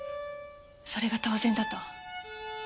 それが当然だと。